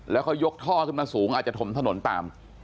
แล้วเขายกท่อขึ้นมาสูงอาจจะถมถนนตาม